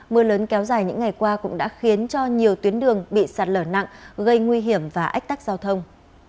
mưa lớn kéo dài những ngày qua cũng đã khiến cho nhiều tuyến đường bị sạt lở nặng gây nguy hiểm và ách tắc giao thông